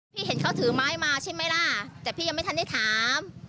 เห็นเขาถือไม้มาใช่ไหมล่ะแต่พี่ยังไม่ทันได้ถาม